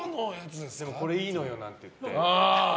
これいいのよなんていって。